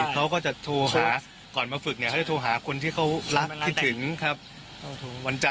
เขาโทรว่าผมว่า๑๓๑๗เนี้ยสิงหาเนี้ยผมแต่งงานนะ